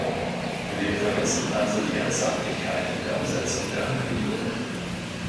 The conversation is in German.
Wir vermissen also die Ernsthaftigkeit in der Umsetzung der Ankündigungen.